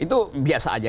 itu biasa aja